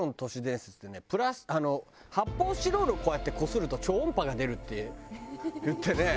あの発泡スチロールをこうやってこすると超音波が出るっていってね。